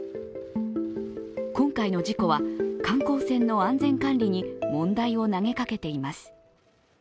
今回の事故は、観光船の安全管理に問題を投げかけています。